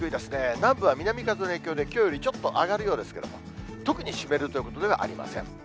南部は南風の影響で、きょうよりちょっと上がるようですけれども、特に湿るということはありません。